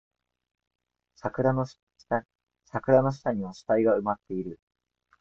桜の下には死体が埋まっている